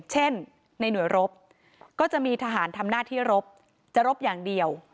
เช่นในหน่วยรบก็จะมีทหารทำหน้าที่รบจะรบอย่างเดียว